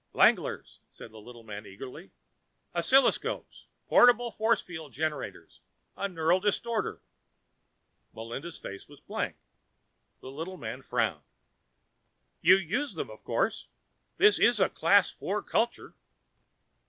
"Flanglers," said the little man eagerly. "Oscilloscopes. Portable force field generators. A neural distorter." Melinda's face was blank. The little man frowned. "You use them, of course? This is a Class IV culture?"